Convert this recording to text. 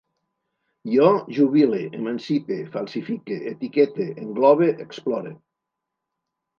Jo jubile, emancipe, falsifique, etiquete, englobe, explore